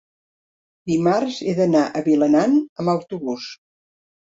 dimarts he d'anar a Vilanant amb autobús.